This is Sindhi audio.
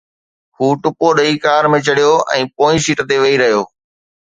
هو ٽپو ڏئي ڪار ۾ چڙهيو ۽ پوئين سيٽ تي ويهي رهيو